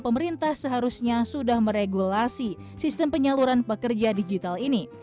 pemerintah seharusnya sudah meregulasi sistem penyaluran pekerja digital ini